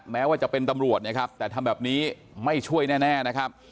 แม้ว่าจะเป็นตำรวจนะครับแต่ทำแบบนี้ไม่ช่วยแน่นะครับ